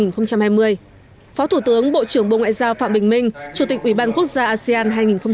phó thủ tướng bộ trưởng bộ ngoại giao phạm bình minh chủ tịch ủy ban quốc gia asean hai nghìn hai mươi